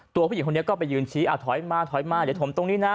ผู้หญิงคนนี้ก็ไปยืนชี้ถอยมาถอยมาเดี๋ยวถมตรงนี้นะ